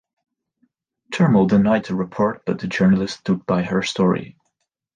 Turmel denied the report, but the journalist stood by her story.